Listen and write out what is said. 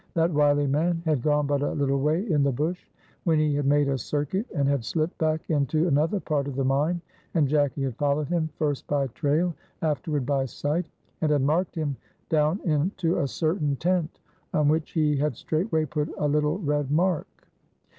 That wily man had gone but a little way in the bush when he had made a circuit, and had slipped back into another part of the mine, and Jacky had followed him first by trail, afterward by sight, and had marked him down into a certain tent, on which he had straightway put a little red mark.